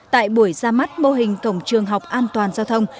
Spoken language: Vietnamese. tại buổi ra mắt mô hình cổng trường học an toàn giao thông